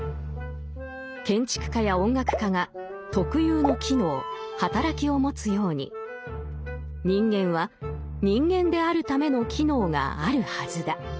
建築家や音楽家が特有の機能働きを持つように人間は人間であるための機能があるはずだ。